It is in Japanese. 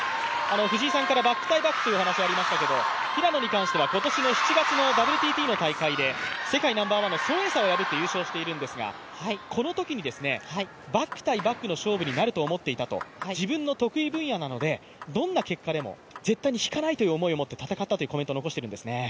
藤井さんからバック対バックという話がありましたが、平野に関しては今年の７月の試合で世界ナンバーワンの孫エイ莎を破って優勝したんですがこのときにバック対バックの戦いになると思っていたと、自分の得意分野なのでどんな結果でも絶対に引かないという思いで戦ったというコメントを残しているんです。